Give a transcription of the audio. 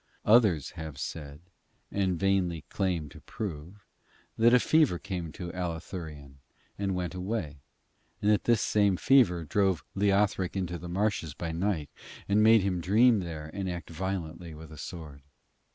Others have said, and vainly claim to prove, that a fever came to Allathurion, and went away; and that this same fever drove Leothric into the marshes by night, and made him dream there and act violently with a sword.